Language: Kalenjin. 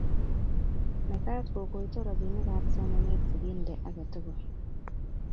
Mekat kokoito robinikab somanet siginde age tugul